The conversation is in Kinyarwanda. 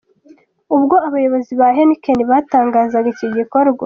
Ubwo abayobozi ba Heineken batangazaga iki gikorwa.